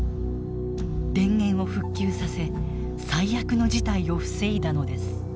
電源を復旧させ最悪の事態を防いだのです。